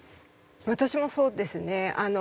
私もそうですね。